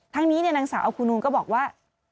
ทั้งนี้นางสาวอัลคูนูนก็บอกว่า